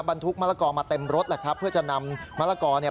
บรรทุกมะละกอมาเต็มรถแหละครับเพื่อจะนำมะละกอเนี่ย